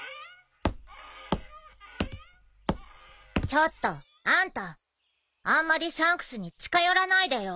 ちょっとあんたあんまりシャンクスに近寄らないでよ。